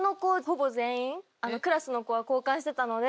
クラスの子は交換してたので。